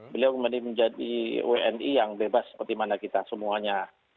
beliau menjadi wni yang bebas seperti mana kita semuanya